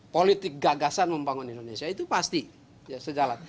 politik gagasan membangun indonesia itu pasti sejalan